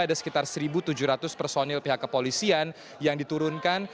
ada sekitar satu tujuh ratus personil pihak kepolisian yang diturunkan